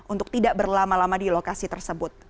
untuk tidak berlama lama di lokasi tersebut